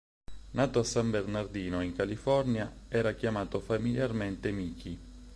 Nato a San Bernardino, in California, era chiamato familiarmente "Mickey".